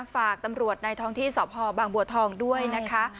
ฝากตำรวจในท้องที่สพบางบัวทองด้วยนะคะ